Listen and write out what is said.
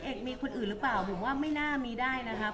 เอกมีคนอื่นหรือเปล่าผมว่าไม่น่ามีได้นะครับ